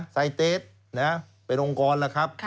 ไซเตสเป็นองค์กร